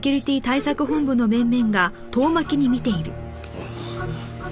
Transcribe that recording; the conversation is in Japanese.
ああ。